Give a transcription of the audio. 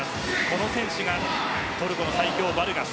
この選手がトルコの最強バルガス。